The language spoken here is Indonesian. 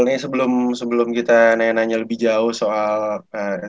ini sebelum kita nanya nanya lebih jauh soal tim nasional